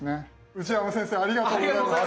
内山先生ありがとうございました。